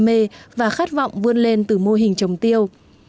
mê và khát vọng vươn lên từ mô hình trồng tiêu